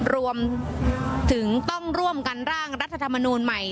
รวมถึงต้องร่วมกันร่างรัฐธรรมนูลใหม่